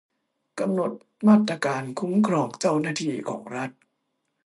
กำหนดมาตรการคุ้มครองเจ้าหน้าที่ของรัฐ